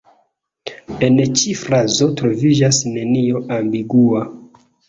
En ĉi frazo troviĝas nenio ambigua.